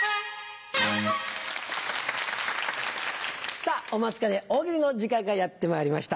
さぁお待ちかね「大喜利」の時間がやってまいりました。